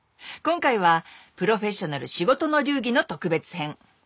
今回は「プロフェッショナル仕事の流儀」の特別編。